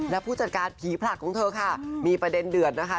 และผู้จัดการผีผลักของเธอค่ะมีประเด็นเดือดนะคะ